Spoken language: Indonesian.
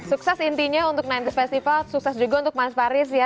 sukses intinya untuk sembilan puluh festival sukses juga untuk mas faris ya